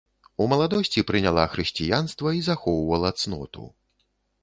У маладосці прыняла хрысціянства і захоўвала цноту.